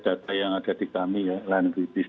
data yang ada di kami ya line kritis